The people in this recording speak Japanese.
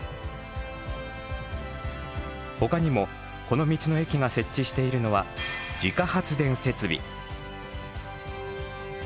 ほかにもこの道の駅が設置しているのは自家発電設備。